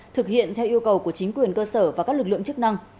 thực hiện theo yêu cầu của chính quyền cơ sở và các lực lượng chức năng